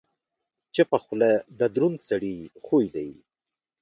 چپه خوله، د دروند سړي خوی دی.